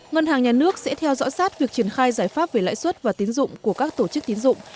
ngân hàng nhà nước sẽ theo dõi sát việc triển khai giải pháp về lãi suất và tiến dụng của các tổ chức tín dụng